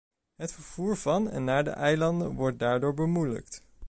Het vervoer van en naar de eilanden wordt daardoor bemoeilijkt.